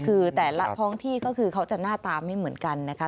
คือแต่ละท้องที่ก็คือเขาจะหน้าตาไม่เหมือนกันนะคะ